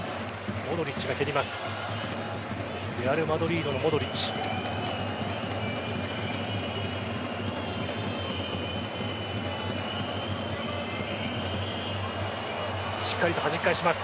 モドリッチが蹴ります。